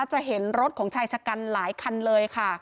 จะเห็นรถของชายชะกันหลายคันเลยค่ะ